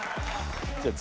じゃあ次。